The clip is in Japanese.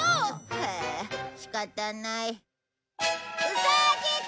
はあしかたない。